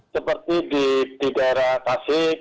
seperti di daerah tasik